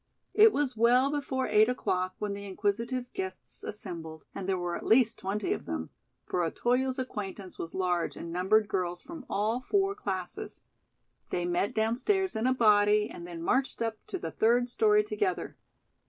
It was well before eight o'clock when the inquisitive guests assembled, and there were at least twenty of them; for Otoyo's acquaintance was large and numbered girls from all four classes. They met downstairs in a body and then marched up to the third story together.